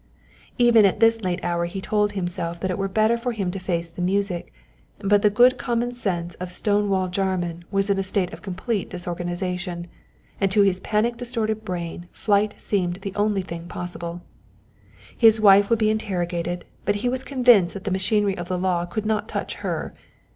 Even at this late hour he told himself that it were better for him to face the music, but the good common sense of Stone wall Jarman was in a state of complete disorganization, and to his panic distorted brain flight seemed the only thing possible. His wife would be interrogated, but he was convinced that the machinery of the law could not touch her.